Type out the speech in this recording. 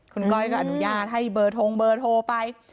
คุณก้อยก็อนุญาตให้เบอร์โทรไป